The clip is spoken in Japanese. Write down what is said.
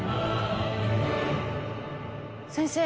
先生